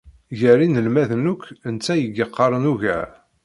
Gar inelmaden akk, netta i yeqqaren ugar.